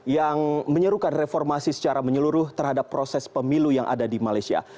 yang menyerukan reformasi secara menyeluruh terhadap proses pemilu yang ada di malaysia